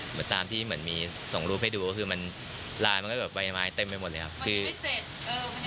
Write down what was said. เหมือนตามที่เหมือนมีส่งรูปให้ดูก็คือมันลายมันก็แบบใบไม้เต็มไปหมดเลยครับคือพิเศษ